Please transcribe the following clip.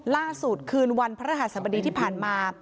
และจดคืนวันพระราชสมดีที่ผ่านมา